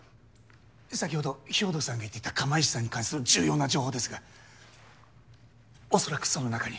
先ほど豹堂さんが言ってた釜石さんに関する重要な情報ですがおそらくその中に。